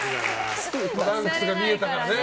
トランクスが見えたからね。